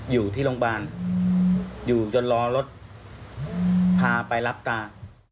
อยู่ที่โรงพยาบาลอยู่จนรอรถพาไปรับตา